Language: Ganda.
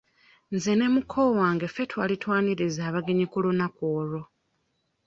Nze ne muko wange ffe twali twaniriza abagenyi ku lunaku olwo.